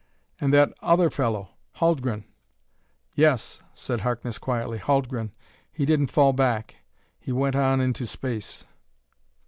And that other fellow, Haldgren " "Yes," said Harkness quietly, "Haldgren he didn't fall back. He went on into space."